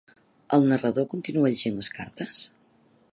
El narrador continua llegint les cartes?